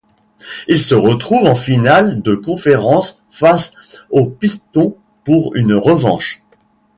Ils se retrouvent en finale de conférence face aux Pistons pour une revanche.